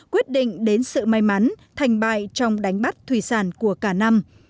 quyết định đến sự may mắn thành bại trong đánh bắt thủy sản của cả năm